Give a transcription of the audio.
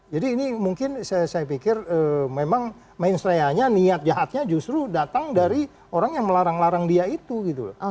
jadi ini mungkin saya pikir memang mainstrayanya niat jahatnya justru datang dari orang yang melarang larang dia itu gitu